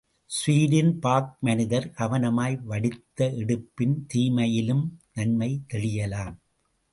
Sweden work மனிதர் கவனமாய் வடித்து எடுப்பின், தீமையிலும் நன்மை தெளியலாம்.